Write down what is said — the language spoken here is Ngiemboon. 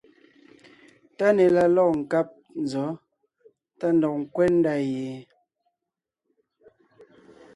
TÁNÈ la lɔ̂g nkáb nzɔ̌ tá ndɔg ńkwɛ́ ndá ye?